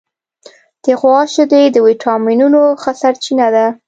د غوا شیدې د وټامینونو ښه سرچینه ده.